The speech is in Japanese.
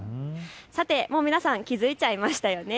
さて皆さん、もう気付いちゃいましたよね。